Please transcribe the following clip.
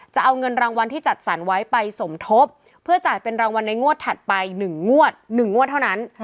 จะเอาเงินรางวัลที่จัดสรรไว้ไปสมทบเพื่อจ่ายเป็นรางวัลในงวดถัดไป๑งวด๑งวดเท่านั้น